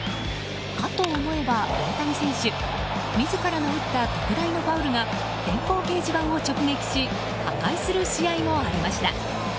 かと思えば、大谷選手自らの打った特大のファウルが電光掲示板を直撃し破壊する試合もありました。